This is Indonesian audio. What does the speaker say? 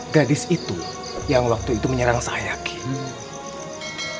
gadis itu yang waktu itu menyerang saya yakin